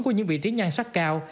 của những vị trí nhan sắc cao